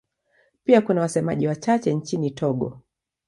Pia kuna wasemaji wachache nchini Togo.